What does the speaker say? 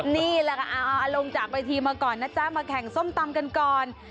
นี่แหละค่ะเอาลงจากเวทีมาก่อนนะจ๊ะมาแข่งส้มตำกันก่อน